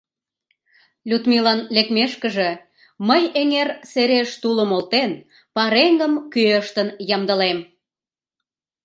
Людмилан лекмешкыже мый, эҥер сереш тулым олтен, пареҥгым кӱэштын ямдылем.